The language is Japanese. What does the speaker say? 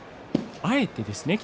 あえてですね